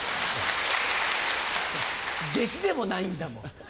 弟子でもないんだもん。